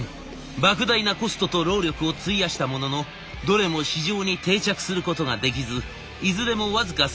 ばく大なコストと労力を費やしたもののどれも市場に定着することができずいずれも僅か数年で販売中止。